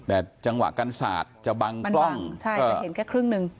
แต่จังหวะการศาสตร์จะบังกล้องมันบังใช่จะเห็นแค่ครึ่งหนึ่ง